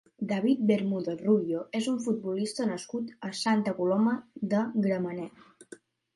David Bermudo Rubio és un futbolista nascut a Santa Coloma de Gramenet.